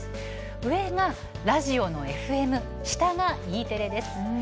上がラジオのＦＭ下がＥテレです。